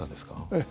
ええ。